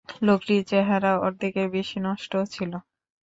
লোকটির চেহারা অর্ধেকের বেশি নষ্ট ছিল!